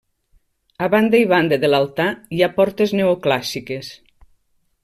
A banda i banda de l'altar hi ha portes neoclàssiques.